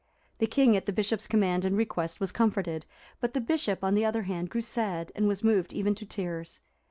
The king, at the bishop's command and request, was comforted, but the bishop, on the other hand, grew sad and was moved even to tears.